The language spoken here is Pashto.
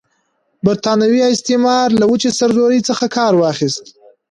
برټانوي استعمار له وچې سرزورۍ څخه کار واخیست.